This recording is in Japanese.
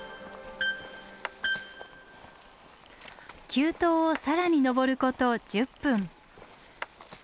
急登を更に登ること１０分。